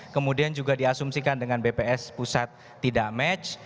kemudian juga diasumsikan dengan bps pusat tidak match